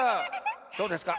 どうですか？